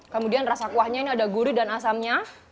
kemudian rasa kuahnya ini ada gurih dan asamnya